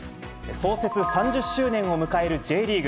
創設３０周年を迎えるＪリーグ。